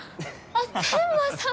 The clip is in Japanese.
あっ天間さん。